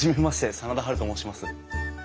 真田ハルと申します。